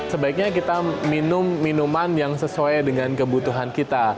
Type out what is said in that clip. sebaiknya kita minum minuman yang sesuai dengan kebutuhan kita